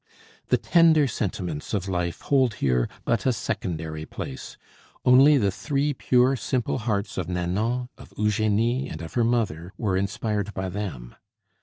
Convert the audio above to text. The tender sentiments of life hold here but a secondary place; only the three pure, simple hearts of Nanon, of Eugenie, and of her mother were inspired by them.